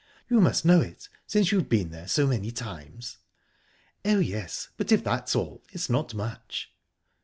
You must know it, since you've been there so many times?" "Oh, yes but if that's all, it's not much."